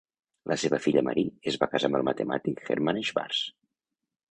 La seva filla Marie es va casar amb el matemàtic Hermann Schwarz.